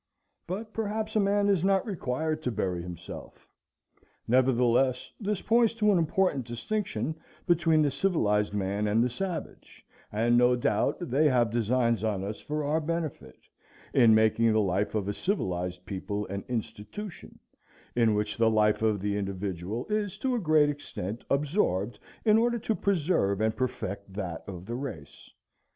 But perhaps a man is not required to bury himself. Nevertheless this points to an important distinction between the civilized man and the savage; and, no doubt, they have designs on us for our benefit, in making the life of a civilized people an institution, in which the life of the individual is to a great extent absorbed, in order to preserve and perfect that of the race.